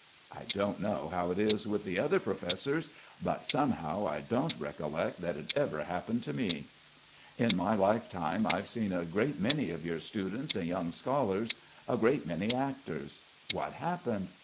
"I don't know how it is with the other professors, but somehow I don't recollect that it ever happened to me." "In my lifetime I've seen a great many of your students and young scholars, a great many actors.... What happened?